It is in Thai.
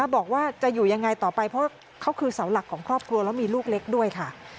บอกว่าจะอยู่ยังไงต่อไปเพราะเขาคือเสาหลักของครอบครัวแล้วมีลูกเล็กด้วยค่ะ